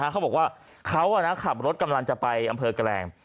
เขาบอกว่าเขาขับรถกำลังจะไปอำเภอแกลง